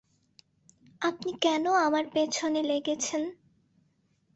আপনি কেন আমার পেছনে লেগেছেন?